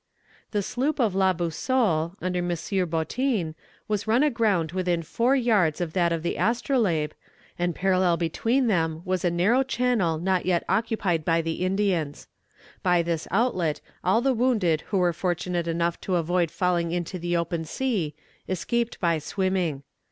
"The sloop of La Boussole, under M. Boutin, was run aground within four yards of that of the Astrolabe, and parallel between them was a narrow channel not yet occupied by the Indians. By this outlet, all the wounded who were fortunate enough to avoid falling into the open sea, escaped by swimming.